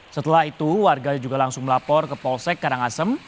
setelah itu warga juga langsung melapor ke polsek karangasem